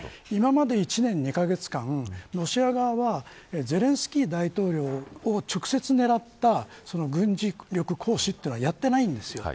今まで１年２カ月間ロシア側はゼレンスキー大統領を直接狙った軍事力行使というのはやっていないんです。